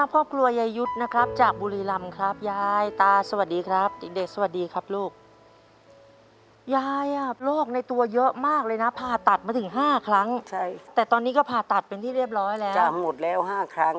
มีความรู้สึกว่ามีความรู้สึกว่ามีความรู้สึกว่ามีความรู้สึกว่ามีความรู้สึกว่ามีความรู้สึกว่ามีความรู้สึกว่ามีความรู้สึกว่ามีความรู้สึกว่า